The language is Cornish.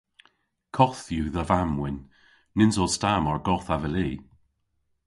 Koth yw dha vamm-wynn. Nyns os ta mar goth avelli!